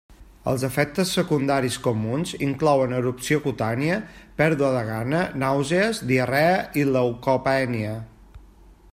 Els efectes secundaris comuns inclouen erupció cutània, pèrdua de gana, nàusees, diarrea i leucopènia.